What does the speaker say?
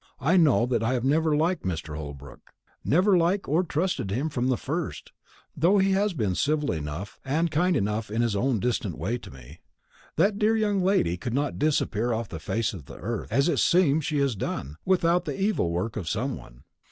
"I know that I have never liked Mr. Holbrook never liked or trusted him from the first, though he has been civil enough and kind enough in his own distant way to me. That dear young lady could not disappear off the face of the earth, as it seems she has done, without the evil work of some one.